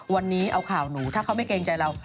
วันนี้เอาข่าวหนูถ้าเขาไม่เกรงใจเรา